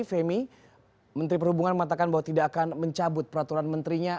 femi menteri perhubungan mengatakan bahwa tidak akan mencabut peraturan menterinya